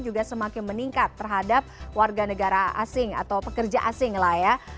juga semakin meningkat terhadap warga negara asing atau pekerja asing lah ya